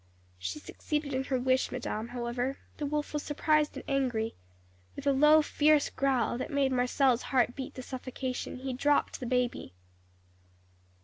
"She succeeded in her wish, madame, however; the wolf was surprised and angry. With a low, fierce growl, that made Marcelle's heart beat to suffocation, he dropped the baby.